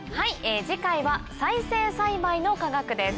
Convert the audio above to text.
次回は再生栽培の科学です。